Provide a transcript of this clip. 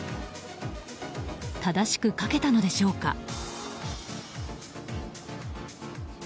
正しく書けたのでしょうか。